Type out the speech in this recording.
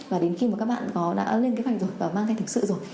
và đến khi mà các bạn có đã lên kế hoạch rồi và mang theo thực sự rồi